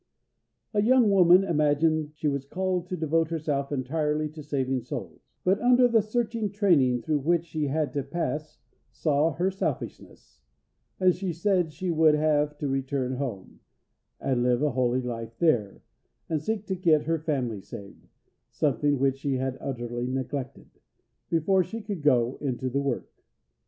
A young woman imagined she was called to devote herself entirely to saving souls; but under the searching training through which she had to pass saw her selfishness, and she said she would have to return home, and live a holy life there, and seek to get her family saved something which she had utterly neglected before she could go into the work.